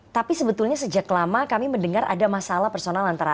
tapi sebetulnya sejak lama kami mendengar ada masalah persis ini ya pak erick